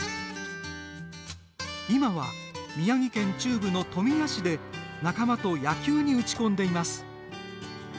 今は、宮城県中部の富谷市で仲間と野球に打ち込んでいます。